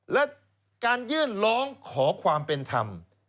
และการยื่นร้องขอความเป็นธรรม